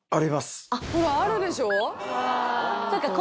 ほらあるでしょ。